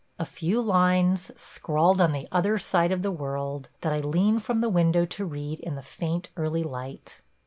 A few lines, scrawled on the other side of the world, that I lean from the window to read in the faint early light.